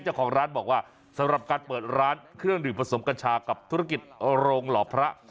เจ้าของร้านบอกว่าสำหรับการเปิดร้านเครื่องดื่มผสมกัญชากับธุรกิจโรงหล่อพระ